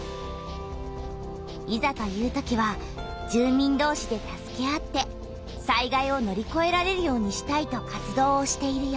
いざというときは住民どうしで助け合って災害を乗りこえられるようにしたいと活動をしているよ。